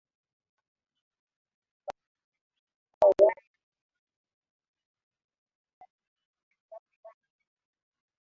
Kampuni hiyo ilikuwa ikitandika waya za simu baharini kati ya Zanzibar na Aden